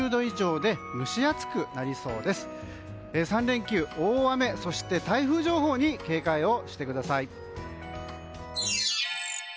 ３連休、大雨、そして台風情報に警戒をしてください。